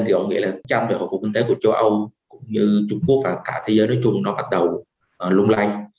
thì họ nghĩ là trăm triệu hợp vụ kinh tế của châu âu cũng như trung quốc và cả thế giới nói chung nó bắt đầu lung lay